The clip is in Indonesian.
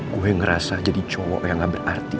gue ngerasa jadi cowok yang gak berarti